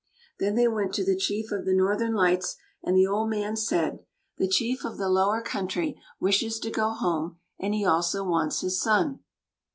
Then they went to the Chief of the Northern Lights, and the old man said: "The Chief of the Lower Country wishes to go home, and he also wants his son."